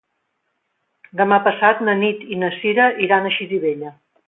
Demà passat na Nit i na Cira iran a Xirivella.